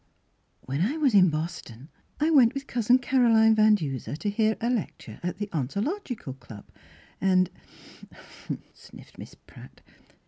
" When I was in Boston, I went with Cousin Caroline Van Duser to hear a lec ture at the Ontological Club, and —"" Uh huh !" sniffed Miss Pratt.